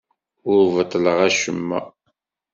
Ur beṭṭleɣ acemma.